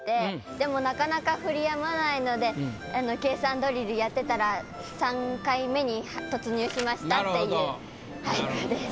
でもなかなか降り止まないので計算ドリルやってたら３回目に突入しましたっていう俳句です。